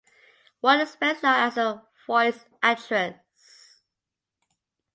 Ward is best known as a voice actress.